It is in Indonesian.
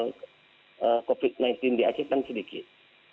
sehingga jumlah yang positif terpapang covid sembilan belas di aceh kan sedikit